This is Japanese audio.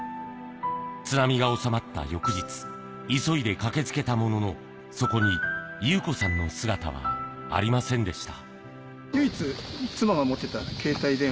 津波が収まった翌日、急いで駆けつけたものの、そこに祐子さんの姿はありませんでした。